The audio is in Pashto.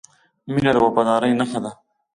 • مینه د وفادارۍ نښه ده.